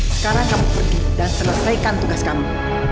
sekarang kamu pergi dan selesaikan tugas kamu